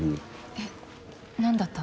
えっ何だった？